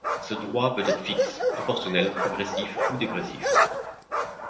Ce droit peut être fixe, proportionnel, progressif ou dégressif.